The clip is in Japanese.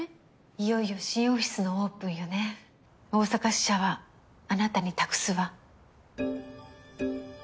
・いよいよ新オフィスのオープンよね大阪支社はあなたに託すわ。